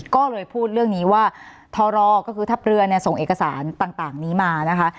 ก็เลยพูดเรื่องนี้ว่าทรก็คือทัพเรือเนี่ยส่งเอกสารต่างนี้มานะคะ